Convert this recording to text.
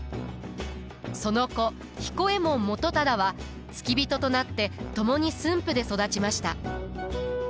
その子彦右衛門元忠は付き人となって共に駿府で育ちました。